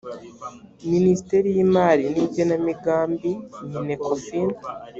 minisiteri y imali n igenambigambi minecofin